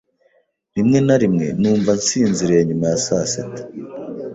Rimwe na rimwe numva nsinziriye nyuma ya saa sita.